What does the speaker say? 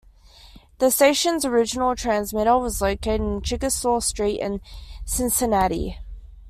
The station's original transmitter was located on Chickasaw Street in Cincinnati.